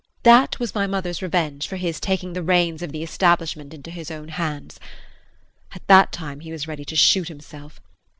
That was my mother's revenge for his taking the reins of the establishment into his own hands. At that time he was ready to shoot himself.